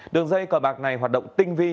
đường dây cờ bạc này hoạt động tinh vi